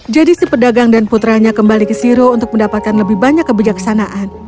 jadi si pedagang dan putranya kembali ke siro untuk mendapatkan lebih banyak kebijaksanaan